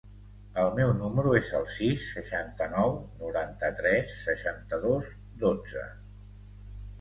El meu número es el sis, seixanta-nou, noranta-tres, seixanta-dos, dotze.